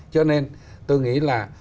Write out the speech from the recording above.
cho nên tôi nghĩ là